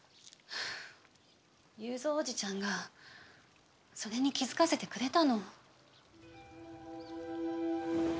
雄三おじちゃんがそれに気付かせてくれたの。